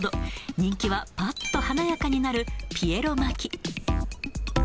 人気はぱっと華やかになるピエロ巻き。